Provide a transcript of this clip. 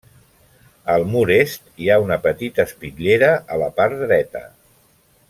Al mur est, hi ha una petita espitllera a la part dreta.